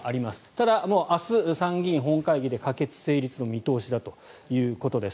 ただ、明日、参議院本会議で可決・成立の見通しだということです。